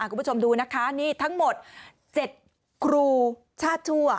คุณผู้ชมดูนะคะนี่ทั้งหมด๗ครูชาติชั่ว